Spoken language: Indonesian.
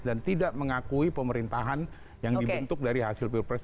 dan tidak mengakui pemerintahan yang dibentuk dari hasil pilpres dua ribu sembilan belas